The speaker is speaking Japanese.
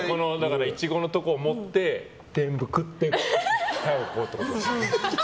イチゴのところを持って全部食って最後、こうってことでしょ。